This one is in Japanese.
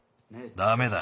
ダメだ。